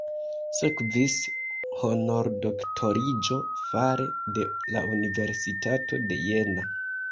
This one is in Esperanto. Sekvis honordoktoriĝo fare de la Universitato de Jena.